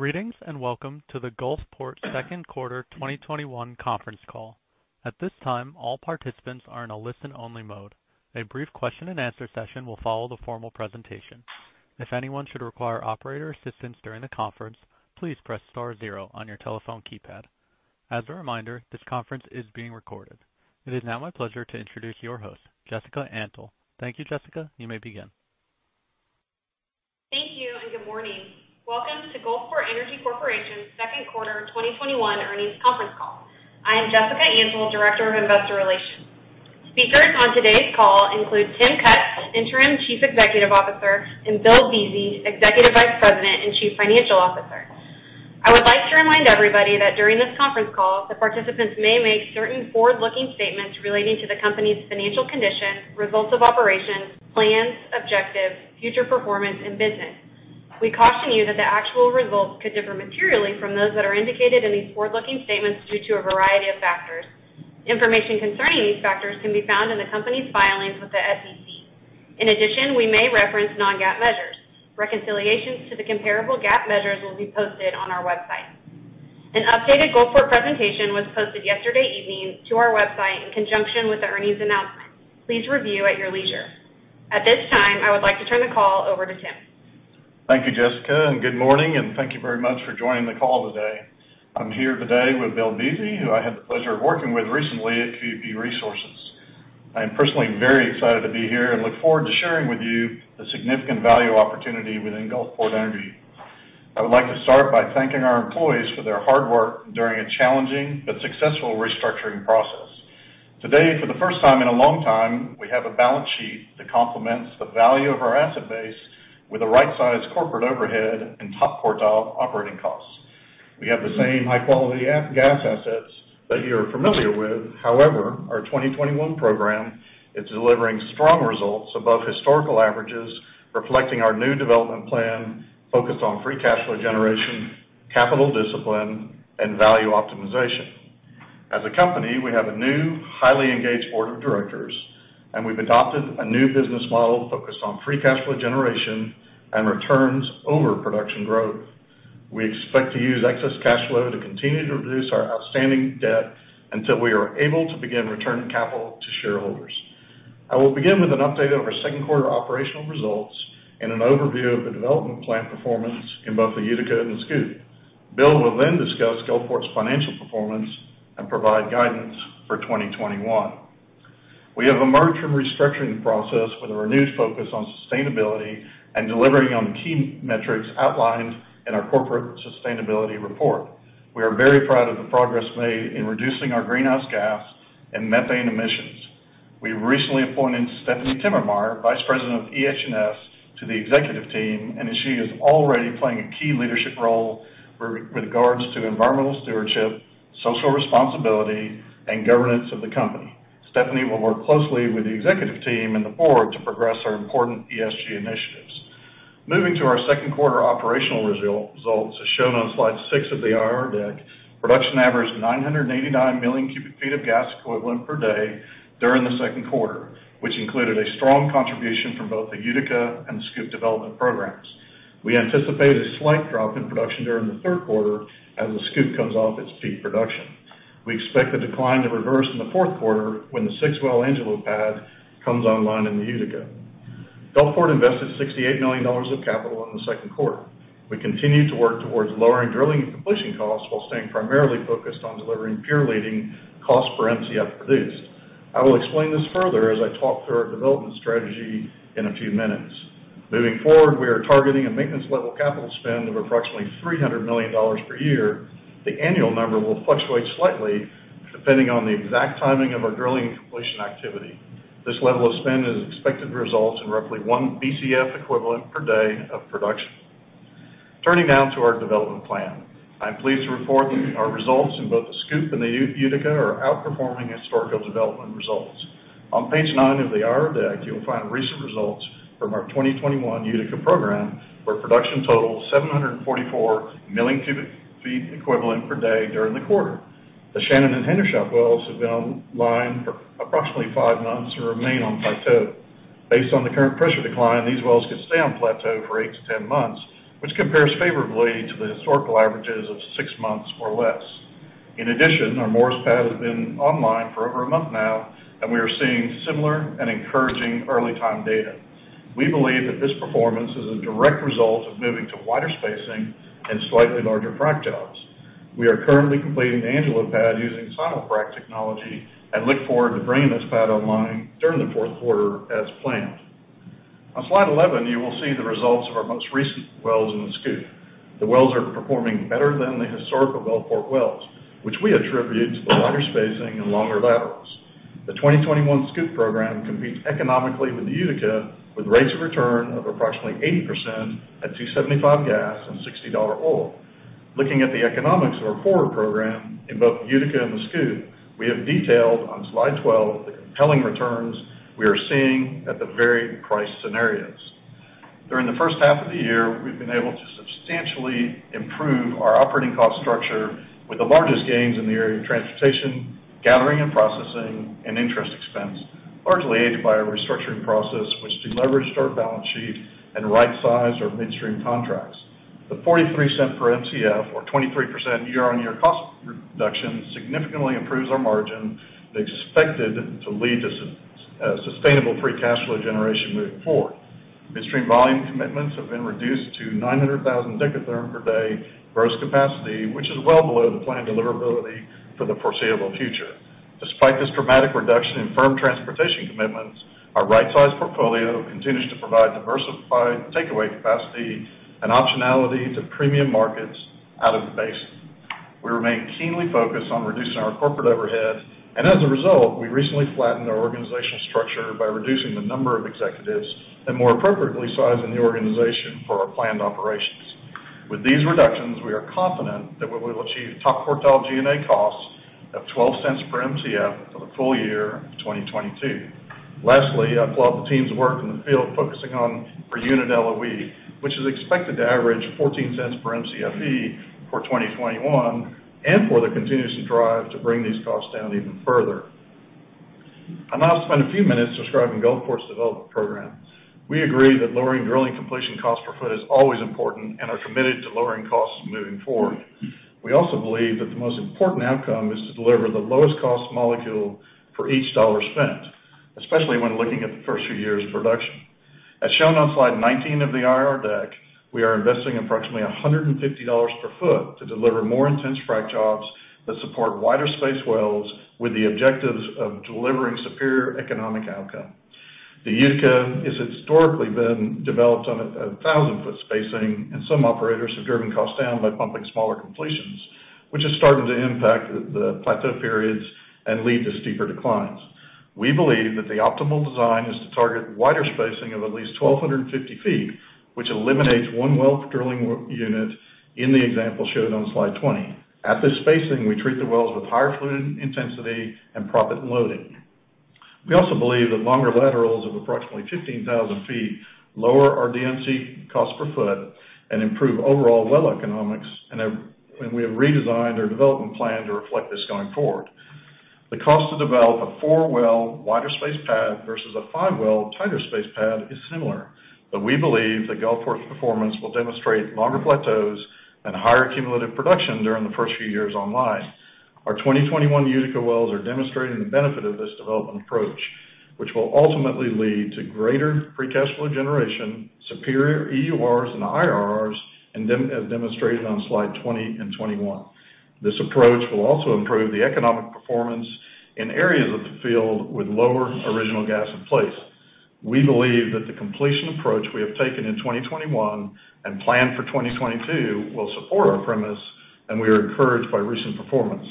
Greetings, and welcome to the Gulfport Second Quarter 2021 Conference Call. At this time, all participants are in a listen-only mode. A brief question and answer session will follow the formal presentation. If anyone should require operator assistance during the conference, please press star zero on your telephone keypad. As a reminder, this conference is being recorded. It is now my pleasure to introduce your host, Jessica Antle. Thank you, Jessica. You may begin. Thank you, and good morning. Welcome to Gulfport Energy Corporation's second quarter 2021 earnings conference call. I am Jessica Antle, director of investor relations. Speakers on today's call include Tim Cutt, interim chief executive officer, and Bill Buese, executive vice president and chief financial officer. I would like to remind everybody that during this conference call, the participants may make certain forward-looking statements relating to the company's financial condition, results of operations, plans, objectives, future performance, and business. We caution you that the actual results could differ materially from those that are indicated in these forward-looking statements due to a variety of factors. Information concerning these factors can be found in the company's filings with the SEC. In addition, we may reference non-GAAP measures. Reconciliations to the comparable GAAP measures will be posted on our website. An updated Gulfport presentation was posted yesterday evening to our website in conjunction with the earnings announcement. Please review at your leisure. At this time, I would like to turn the call over to Tim. Thank you, Jessica, and good morning, and thank you very much for joining the call today. I'm here today with Bill Buese, who I had the pleasure of working with recently at QEP Resources. I am personally very excited to be here and look forward to sharing with you the significant value opportunity within Gulfport Energy. I would like to start by thanking our employees for their hard work during a challenging but successful restructuring process. Today, for the first time in a long time, we have a balance sheet that complements the value of our asset base with a right-sized corporate overhead and top quartile operating costs. We have the same high-quality gas assets that you're familiar with. However, our 2021 program is delivering strong results above historical averages, reflecting our new development plan focused on free cash flow generation, capital discipline, and value optimization. As a company, we have a new, highly engaged board of directors, and we've adopted a new business model focused on free cash flow generation and returns over production growth. We expect to use excess cash flow to continue to reduce our outstanding debt until we are able to begin returning capital to shareholders. I will begin with an update of our second quarter operational results and an overview of the development plan performance in both the Utica and the SCOOP. Bill will then discuss Gulfport's financial performance and provide guidance for 2021. We have emerged from restructuring process with a renewed focus on sustainability and delivering on the key metrics outlined in our corporate sustainability report. We are very proud of the progress made in reducing our greenhouse gas and methane emissions. We recently appointed Stephanie Timmermeyer, Vice President of EH&S, to the executive team, and she is already playing a key leadership role with regards to environmental stewardship, social responsibility, and governance of the company. Stephanie will work closely with the executive team and the board to progress our important ESG initiatives. Moving to our second quarter operational results, as shown on slide six of the IR deck, production averaged 989 million cu ft of gas equivalent per day during the second quarter, which included a strong contribution from both the Utica and SCOOP development programs. We anticipate a slight drop in production during the third quarter as the SCOOP comes off its peak production. We expect the decline to reverse in the fourth quarter when the 6-well Angelo pad comes online in the Utica. Gulfport invested $68 million of capital in the second quarter. We continue to work towards lowering drilling and completion costs while staying primarily focused on delivering peer-leading cost per Mcf produced. I will explain this further as I talk through our development strategy in a few minutes. Moving forward, we are targeting a maintenance level capital spend of approximately $300 million per year. The annual number will fluctuate slightly depending on the exact timing of our drilling completion activity. This level of spend is expected to result in roughly 1 Bcf equivalent per day of production. Turning now to our development plan. I'm pleased to report our results in both the SCOOP and the Utica are outperforming historical development results. On page nine of the IR deck, you will find recent results from our 2021 Utica program, where production totaled 744 million cu ft equivalent per day during the quarter. The Shannon and Hendershot wells have been online for approximately 5 months and remain on plateau. Based on the current pressure decline, these wells could stay on plateau for 8 to 10 months, which compares favorably to the historical averages of 6 months or less. In addition, our Morris pad has been online for over a month now, and we are seeing similar and encouraging early time data. We believe that this performance is a direct result of moving to wider spacing and slightly larger frac jobs. We are currently completing the Angelo pad using simul-frac technology and look forward to bringing this pad online during the fourth quarter as planned. On slide 11, you will see the results of our most recent wells in the SCOOP. The wells are performing better than the historical Gulfport wells, which we attribute to the wider spacing and longer laterals. The 2021 SCOOP program competes economically with the Utica, with rates of return of approximately 80% at $2.75 gas and $60 oil. Looking at the economics of our forward program in both the Utica and the SCOOP, we have detailed on slide 12 the compelling returns we are seeing at the varied price scenarios. During the first half of the year, we've been able to substantially improve our operating cost structure with the largest gains in the area of transportation, gathering and processing and interest expense, largely aided by our restructuring process, which deleveraged our balance sheet and rightsized our midstream contracts. The $0.43 per Mcf or 23% year-on-year cost reduction significantly improves our margin, expected to lead to sustainable free cash flow generation moving forward. Midstream volume commitments have been reduced to 900,000 dekatherm per day gross capacity, which is well below the planned deliverability for the foreseeable future. Despite this dramatic reduction in firm transportation commitments, our rightsized portfolio continues to provide diversified takeaway capacity and optionality to premium markets out of the basin. As a result, we remain keenly focused on reducing our corporate overhead, we recently flattened our organizational structure by reducing the number of executives and more appropriately sizing the organization for our planned operations. With these reductions, we are confident that we will achieve top quartile G&A costs of $0.12 per Mcf for the full year of 2022. Lastly, I applaud the team's work in the field focusing on per unit LOE, which is expected to average $0.14 per Mcfe for 2021 and for the continuous drive to bring these costs down even further. I'll now spend a few minutes describing Gulfport's development program. We agree that lowering drilling completion cost per foot is always important and are committed to lowering costs moving forward. We also believe that the most important outcome is to deliver the lowest cost molecule for each dollar spent, especially when looking at the first few years' production. As shown on slide 19 of the IR deck, we are investing approximately $150 per foot to deliver more intense frac jobs that support wider spaced wells with the objectives of delivering superior economic outcome. The Utica has historically been developed on 1,000 foot spacing, and some operators have driven costs down by pumping smaller completions, which is starting to impact the plateau periods and lead to steeper declines. We believe that the optimal design is to target wider spacing of at least 1,250 feet, which eliminates one well drilling unit in the example shown on slide 20. At this spacing, we treat the wells with higher fluid intensity and proppant loading. We also believe that longer laterals of approximately 15,000 feet lower our D&C cost per foot and improve overall well economics, and we have redesigned our development plan to reflect this going forward. The cost to develop a 4-well wider spaced pad versus a 5-well tighter spaced pad is similar. We believe that Gulfport's performance will demonstrate longer plateaus and higher cumulative production during the first few years online. Our 2021 Utica wells are demonstrating the benefit of this development approach, which will ultimately lead to greater free cash flow generation, superior EURs, and IRRs, as demonstrated on slide 20 and 21. This approach will also improve the economic performance in areas of the field with lower original gas in place. We believe that the completion approach we have taken in 2021 and planned for 2022 will support our premise, and we are encouraged by recent performance.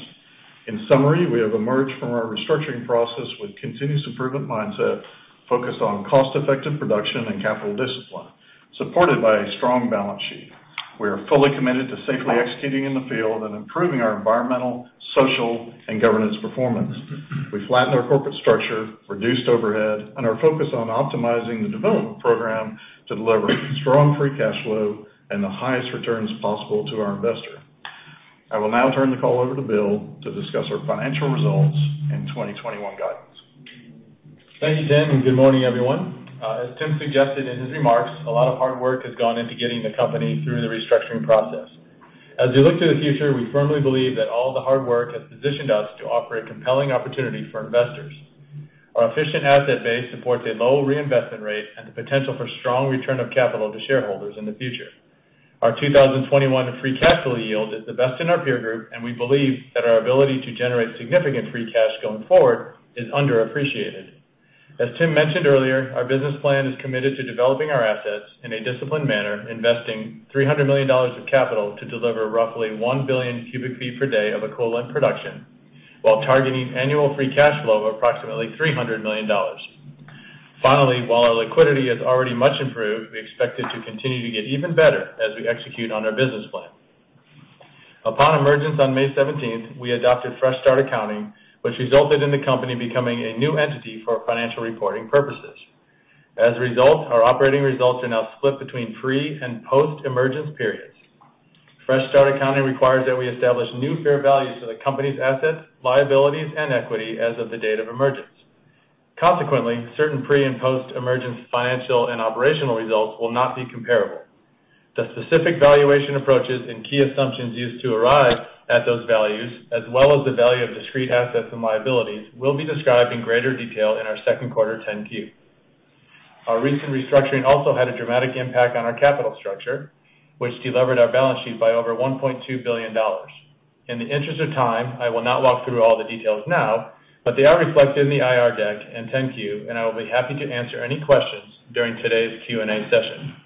In summary, we have emerged from our restructuring process with continuous improvement mindset, focused on cost-effective production and capital discipline, supported by a strong balance sheet. We are fully committed to safely executing in the field and improving our environmental, social, and governance performance. We flattened our corporate structure, reduced overhead, and are focused on optimizing the development program to deliver strong free cash flow and the highest returns possible to our investors. I will now turn the call over to Bill to discuss our financial results and 2021 guidance. Thank you, Tim, and good morning, everyone. As Tim suggested in his remarks, a lot of hard work has gone into getting the company through the restructuring process. As we look to the future, we firmly believe that all the hard work has positioned us to offer a compelling opportunity for investors. Our efficient asset base supports a low reinvestment rate and the potential for strong return of capital to shareholders in the future. Our 2021 free cash flow yield is the best in our peer group, and we believe that our ability to generate significant free cash going forward is underappreciated. As Tim mentioned earlier, our business plan is committed to developing our assets in a disciplined manner, investing $300 million of capital to deliver roughly 1 billion cubic feet per day of equivalent production, while targeting annual free cash flow of approximately $300 million. Finally, while our liquidity is already much improved, we expect it to continue to get even better as we execute on our business plan. Upon emergence on May 17th, we adopted fresh start accounting, which resulted in the company becoming a new entity for financial reporting purposes. As a result, our operating results are now split between pre- and post-emergence periods. Fresh start accounting requires that we establish new fair values for the company's assets, liabilities, and equity as of the date of emergence. Consequently, certain pre- and post-emergence financial and operational results will not be comparable. The specific valuation approaches and key assumptions used to arrive at those values, as well as the value of discrete assets and liabilities, will be described in greater detail in our second quarter 10-Q. Our recent restructuring also had a dramatic impact on our capital structure, which delevered our balance sheet by over $1.2 billion. In the interest of time, I will not walk through all the details now, but they are reflected in the IR deck and 10-Q, and I will be happy to answer any questions during today's Q&A session.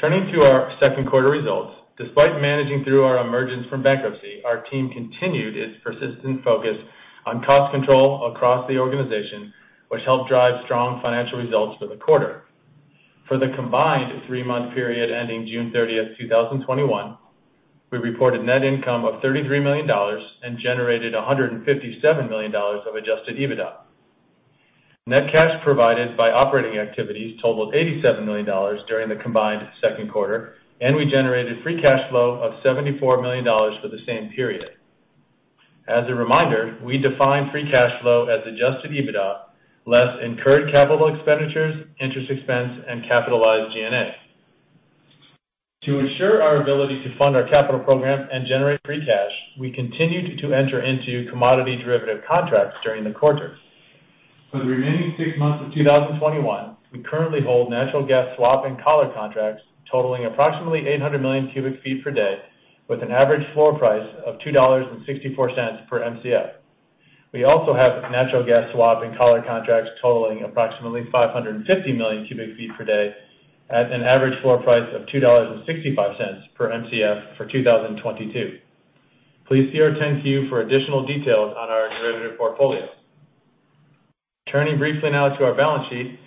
Turning to our second quarter results, despite managing through our emergence from bankruptcy, our team continued its persistent focus on cost control across the organization, which helped drive strong financial results for the quarter. For the combined three-month period ending June 30, 2021, we reported net income of $33 million and generated $157 million of Adjusted EBITDA. Net cash provided by operating activities totaled $87 million during the combined second quarter, and we generated free cash flow of $74 million for the same period. As a reminder, we define free cash flow as Adjusted EBITDA less incurred capital expenditures, interest expense, and capitalized G&A. To assure our ability to fund our capital program and generate free cash, we continued to enter into commodity derivative contracts during the quarter. For the remaining 6 months of 2021, we currently hold natural gas swap and collar contracts totaling approximately 800 million cu ft per day, with an average floor price of $2.64 per Mcf. We also have natural gas swap and collar contracts totaling approximately 550 million cu ft per day at an average floor price of $2.65 per Mcf for 2022. Please see our 10-Q for additional details on our derivative portfolio. Turning briefly now to our balance sheet.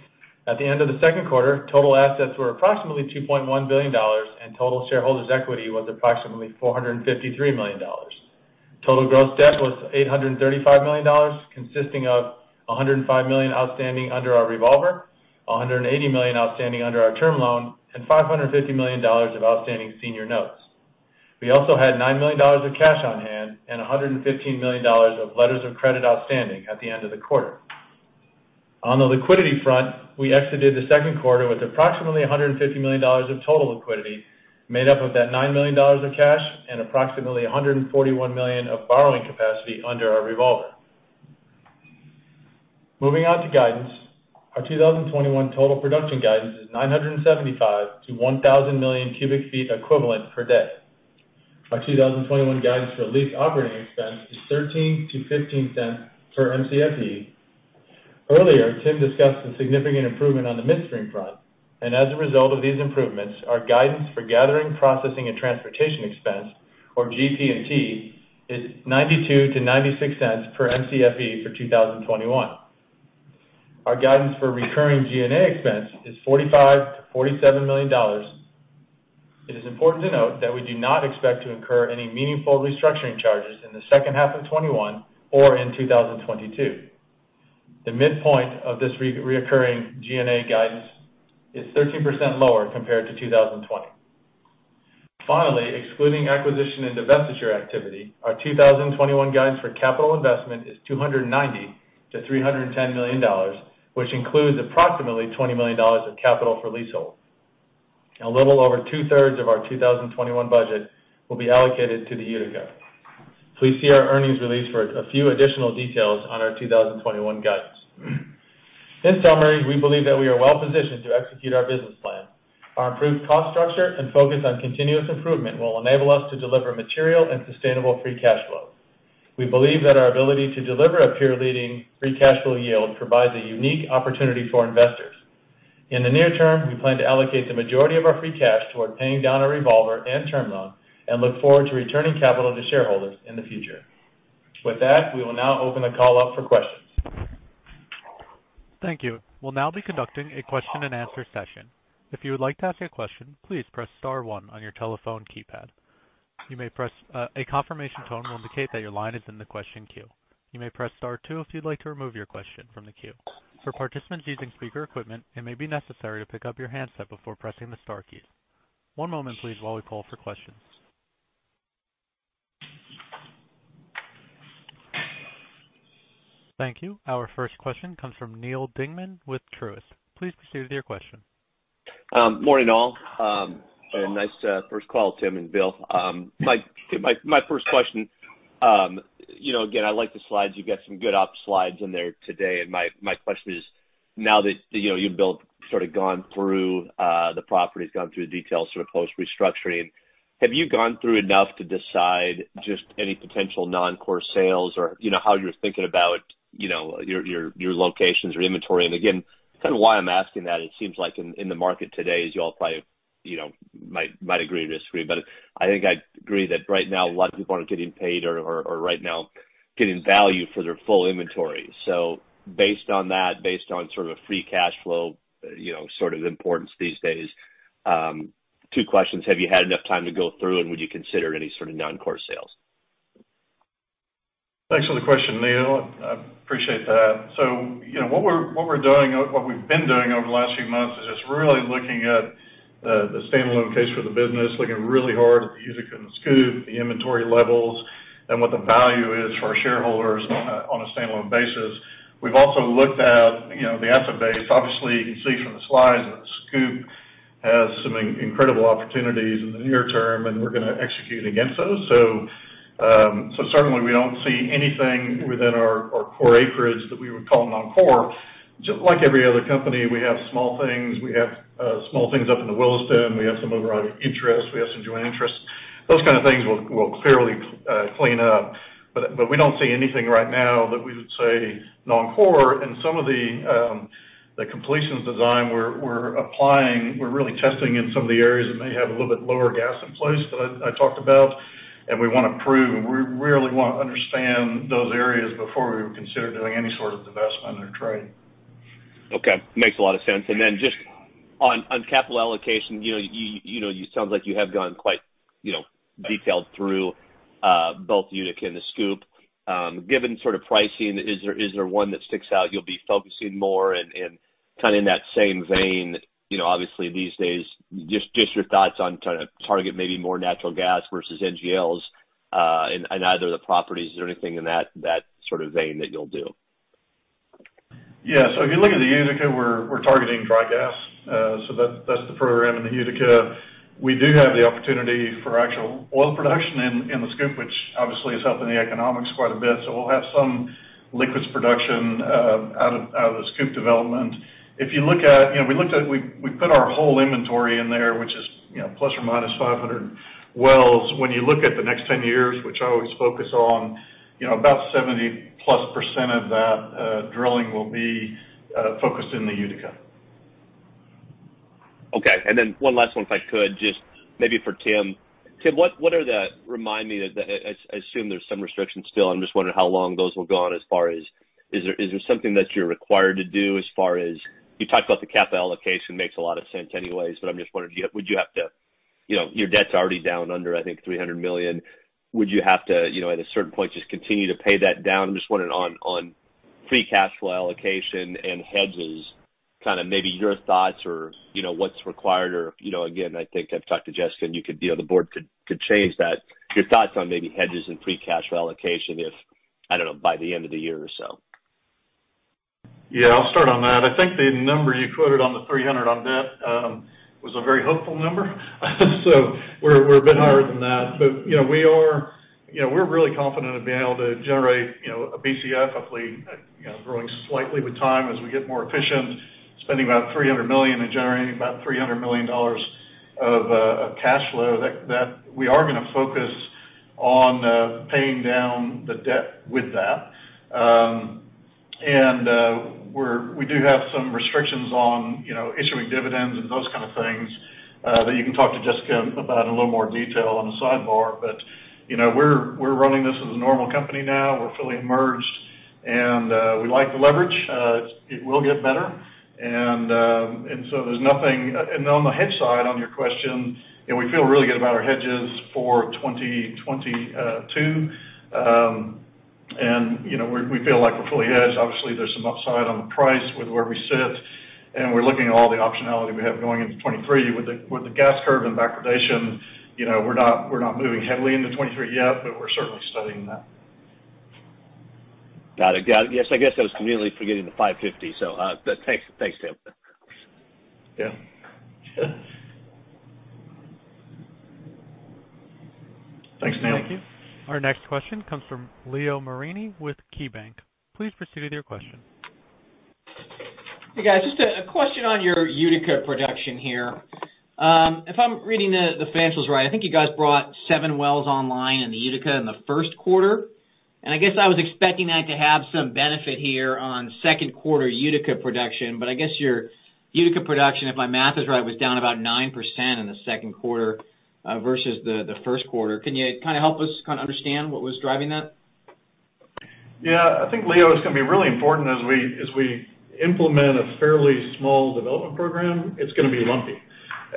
At the end of the second quarter, total assets were approximately $2.1 billion, and total shareholders' equity was approximately $453 million. Total gross debt was $835 million, consisting of $105 million outstanding under our revolver, $180 million outstanding under our term loan, and $550 million of outstanding senior notes. We also had $9 million of cash on hand and $115 million of letters of credit outstanding at the end of the quarter. On the liquidity front, we exited the second quarter with approximately $150 million of total liquidity, made up of that $9 million of cash and approximately $141 million of borrowing capacity under our revolver. Moving on to guidance. Our 2021 total production guidance is 975-1,000 million cu ft equivalent per day. Our 2021 guidance for lease operating expense is $0.13-$0.15 per Mcfe. Earlier, Tim discussed the significant improvement on the midstream front, and as a result of these improvements, our guidance for gathering, processing, and transportation expense, or GP&T, is $0.92-$0.96 per Mcfe for 2021. Our guidance for recurring G&A expense is $45 million-$47 million. It is important to note that we do not expect to incur any meaningful restructuring charges in the second half of 2021 or in 2022. The midpoint of this reoccurring G&A guidance is 13% lower compared to 2020. Finally, excluding acquisition and divestiture activity, our 2021 guidance for capital investment is $290 million-$310 million, which includes approximately $20 million of capital for leasehold. A little over two-thirds of our 2021 budget will be allocated to the Utica. Please see our earnings release for a few additional details on our 2021 guidance. In summary, we believe that we are well-positioned to execute our business plan. Our improved cost structure and focus on continuous improvement will enable us to deliver material and sustainable free cash flow. We believe that our ability to deliver a peer-leading free cash flow yield provides a unique opportunity for investors. In the near term, we plan to allocate the majority of our free cash toward paying down our revolver and term loan and look forward to returning capital to shareholders in the future. With that, we will now open the call up for questions. Our first question comes from Neal Dingmann with Truist. Please proceed with your question. Morning, all. Nice first call, Tim and Bill. My first question. Again, I like the slides. You got some good up slides in there today. My question is, now that you and Bill have sort of gone through the properties, gone through the details, sort of post-restructuring, have you gone through enough to decide just any potential non-core sales or how you're thinking about your locations or inventory? Again, kind of why I'm asking that, it seems like in the market today, as you all probably might agree to disagree, but I think I agree that right now a lot of people aren't getting paid or right now getting value for their full inventory. Based on that, based on sort of a free cash flow sort of importance these days, two questions. Have you had enough time to go through and would you consider any sort of non-core sales? Thanks for the question, Neal Dingmann. I appreciate that. What we've been doing over the last few months is just really looking at the standalone case for the business, looking really hard at the Utica and the SCOOP, the inventory levels, and what the value is for our shareholders on a standalone basis. We've also looked at the asset base. Obviously, you can see from the slides that SCOOP has some incredible opportunities in the near term, and we're going to execute against those. Certainly, we don't see anything within our core acreage that we would call non-core. Just like every other company, we have small things. We have small things up in the Williston. We have some overriding interest. We have some joint interests. Those kind of things we'll clearly clean up. We don't see anything right now that we would say non-core. Some of the completions design we're applying, we're really testing in some of the areas that may have a little bit lower gas in place that I talked about, and we want to prove, and we really want to understand those areas before we would consider doing any sort of divestment or trade. Okay. Makes a lot of sense. Just on capital allocation, it sounds like you have gone quite detailed through both Utica and the SCOOP. Given sort of pricing, is there one that sticks out you'll be focusing more on? Kind of in that same vein, obviously these days, just your thoughts on trying to target maybe more natural gas versus NGLs in either of the properties. Is there anything in that sort of vein that you'll do? If you look at the Utica, we're targeting dry gas. That's the program in the Utica. We do have the opportunity for actual oil production in the SCOOP, which obviously is helping the economics quite a bit. We'll have some liquids production out of the SCOOP development. We put our whole inventory in there, which is plus or minus 500 wells. When you look at the next 10 years, which I always focus on, about 70 plus % of that drilling will be focused in the Utica. Okay. One last one, if I could, just maybe for Tim. Tim, remind me, I assume there's some restrictions still. I'm just wondering how long those will go on as far as, is there something that you're required to do as far as You talked about the capital allocation, makes a lot of sense anyways, but I'm just wondering, your debt's already down under, I think, $300 million. Would you have to, at a certain point, just continue to pay that down? I'm just wondering on free cash flow allocation and hedges, kind of maybe your thoughts or what's required or, again, I think I've talked to Jessica, and the board could change that. Your thoughts on maybe hedges and free cash flow allocation if, I don't know, by the end of the year or so? Yeah, I'll start on that. I think the number you quoted on the $300 on debt was a very hopeful number, so we're a bit higher than that. We're really confident of being able to generate a Bcf, hopefully growing slightly with time as we get more efficient, spending about $300 million and generating about $300 million of cash flow. We are going to focus on paying down the debt with that. We do have some restrictions on issuing dividends and those kind of things, that you can talk to Jessica about in a little more detail on the sidebar. We're running this as a normal company now. We're fully merged, and we like the leverage. It will get better. On the hedge side, on your question, we feel really good about our hedges for 2022. We feel like we're fully hedged. Obviously, there's some upside on the price with where we sit, and we're looking at all the optionality we have going into 2023. With the gas curve and backwardation, we're not moving heavily into 2023 yet, but we're certainly studying that. Got it. Yes, I guess I was conveniently forgetting the 550. Thanks, Tim. Yeah. Thanks, Neal. Thank you. Our next question comes from Leo Mariani with KeyBanc. Please proceed with your question. Hey, guys, just a question on your Utica production here. If I'm reading the financials right, I think you guys brought seven wells online in the Utica in the first quarter, I guess I was expecting that to have some benefit here on second quarter Utica production. I guess your Utica production, if my math is right, was down about 9% in the second quarter versus the first quarter. Can you kind of help us kind of understand what was driving that? Yeah. I think, Leo Mariani, it's going to be really important as we implement a fairly small development program, it's going to be lumpy.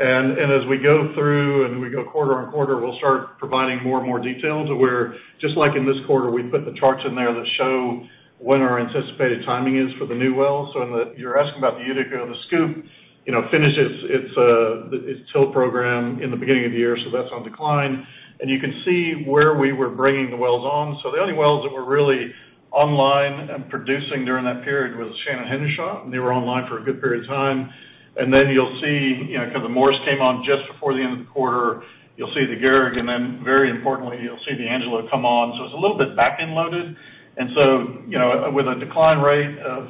As we go through and we go quarter on quarter, we'll start providing more and more details where, just like in this quarter, we put the charts in there that show when our anticipated timing is for the new wells. You're asking about the Utica. The SCOOP finishes its TIL program in the beginning of the year, so that's on decline. You can see where we were bringing the wells on. The only wells that were really online and producing during that period was Shannon Hendershot, and they were online for a good period of time. Then you'll see kind of the Morris came on just before the end of the quarter. You'll see the Gehrig, very importantly, you'll see the Angelo come on. It's a little bit back-end loaded. With a decline rate of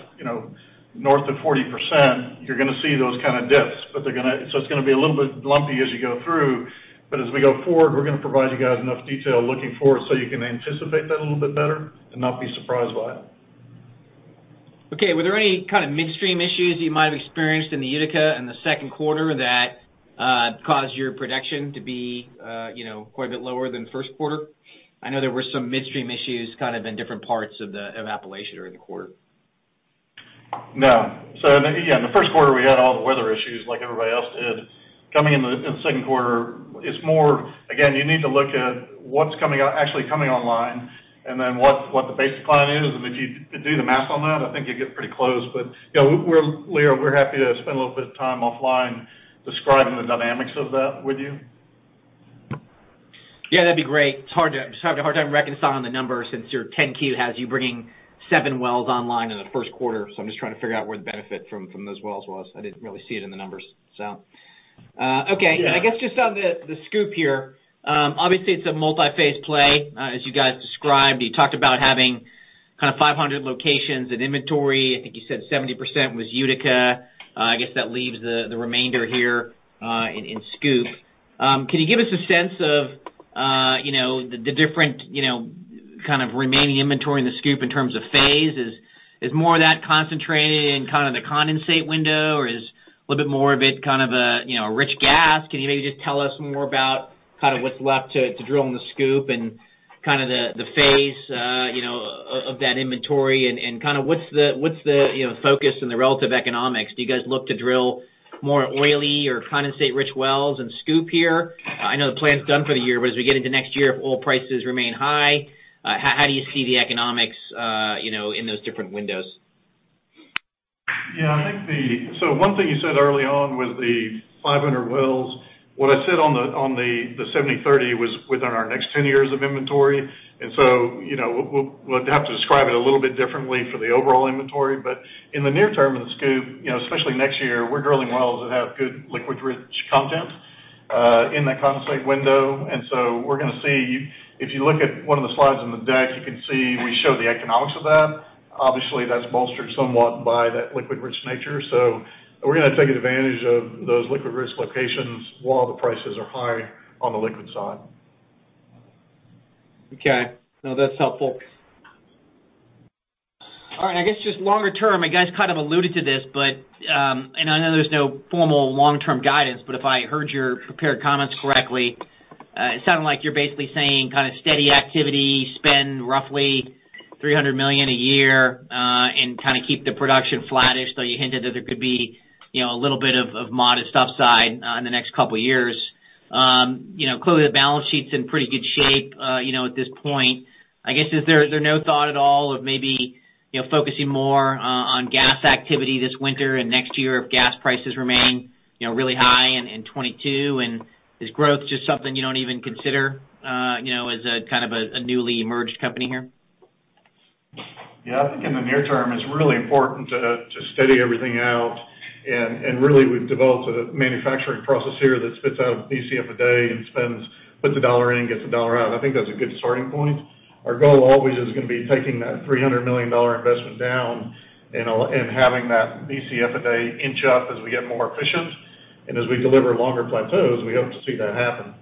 north of 40%, you're going to see those kind of dips. It's going to be a little bit lumpy as you go through. As we go forward, we're going to provide you guys enough detail looking forward so you can anticipate that a little bit better and not be surprised by it. Okay. Were there any kind of midstream issues that you might have experienced in the Utica in the second quarter that caused your production to be quite a bit lower than first quarter? I know there were some midstream issues kind of in different parts of Appalachia during the quarter. No. The first quarter, we had all the weather issues like everybody else did. Coming in the second quarter, again, you need to look at what's actually coming online and then what the base decline is. If you do the math on that, I think you'd get pretty close. Leo, we're happy to spend a little bit of time offline describing the dynamics of that with you. Yeah, that'd be great. Just having a hard time reconciling the numbers since your 10-Q has you bringing 7 wells online in the first quarter. I'm just trying to figure out where the benefit from those wells was. I didn't really see it in the numbers. Okay. Yeah. I guess just on the SCOOP here, obviously it's a multi-phase play. As you guys described, you talked about having kind of 500 locations in inventory. I think you said 70% was Utica. I guess that leaves the remainder here in SCOOP. Can you give us a sense of the different kind of remaining inventory in the SCOOP in terms of phase? Is more of that concentrated in kind of the condensate window, or is a little bit more of it kind of a rich gas? Can you maybe just tell us more about kind of what's left to drill in the SCOOP and kind of the phase of that inventory and what's the focus and the relative economics? Do you guys look to drill more oily or condensate-rich wells in SCOOP here? I know the plan's done for the year, as we get into next year, if oil prices remain high, how do you see the economics in those different windows? Yeah. One thing you said early on was the 500 wells. What I said on the 70/30 was within our next 10 years of inventory. We'll have to describe it a little bit differently for the overall inventory. In the near term in the SCOOP, especially next year, we're drilling wells that have good liquid-rich content, in that condensate window. We're going to see. If you look at one of the slides in the deck, you can see we show the economics of that. Obviously, that's bolstered somewhat by that liquid-rich nature. We're going to take advantage of those liquid-rich locations while the prices are high on the liquid side. Okay. No, that's helpful. All right, I guess just longer term, you guys kind of alluded to this, but, and I know there's no formal long-term guidance, but if I heard your prepared comments correctly, it sounded like you're basically saying kind of steady activity, spend roughly $300 million a year, and kind of keep the production flattish, though you hinted that there could be a little bit of modest upside in the next couple of years. Clearly, the balance sheet's in pretty good shape, at this point. I guess is there no thought at all of maybe focusing more on gas activity this winter and next year if gas prices remain really high in 2022? Is growth just something you don't even consider as a kind of a newly emerged company here? Yeah. I think in the near term, it's really important to steady everything out. Really, we've developed a manufacturing process here that spits out Bcf a day and puts $1 in, gets $1 out. I think that's a good starting point. Our goal always is going to be taking that $300 million investment down and having that 1 Bcf a day inch up as we get more efficient. As we deliver longer plateaus, we hope to see that happen.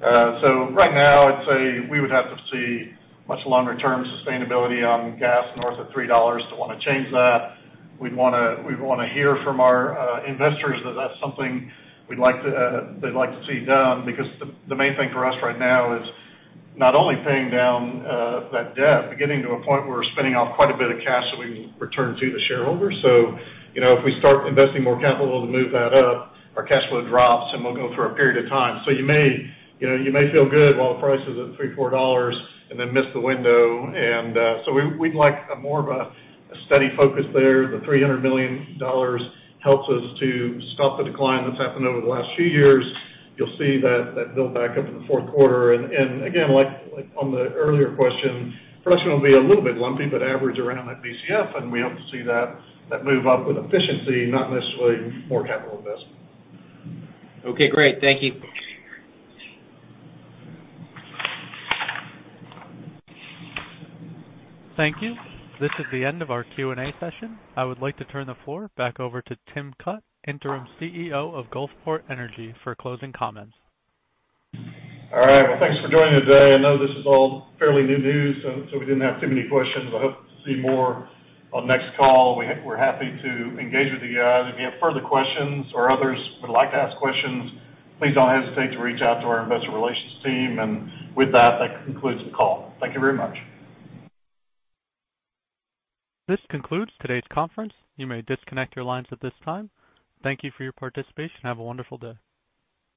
Right now, I'd say we would have to see much longer-term sustainability on gas north of $3 to want to change that. We'd want to hear from our investors that that's something they'd like to see done, because the main thing for us right now is not only paying down that debt, but getting to a point where we're spinning off quite a bit of cash that we can return to the shareholders. If we start investing more capital to move that up, our cash flow drops, and we'll go through a period of time. You may feel good while the price is at $3, $4 and then miss the window. We'd like more of a steady focus there. The $300 million helps us to stop the decline that's happened over the last few years. You'll see that build back up in the fourth quarter. Again, like on the earlier question, production will be a little bit lumpy, but average around that 1 Bcf, and we hope to see that move up with efficiency, not necessarily more capital investment. Okay, great. Thank you. Thank you. This is the end of our Q&A session. I would like to turn the floor back over to Tim Cutt, Interim CEO of Gulfport Energy, for closing comments. All right. Well, thanks for joining today. I know this is all fairly new news. We didn't have too many questions. I hope to see more on next call. We're happy to engage with you guys. If you have further questions or others would like to ask questions, please don't hesitate to reach out to our investor relations team. With that concludes the call. Thank you very much. This concludes today's conference. You may disconnect your lines at this time. Thank you for your participation. Have a wonderful day.